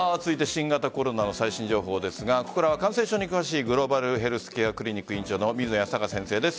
新型コロナの最新情報ですがここからは感染症に詳しいグローバルヘルスケアクリニック院長の水野泰孝先生です。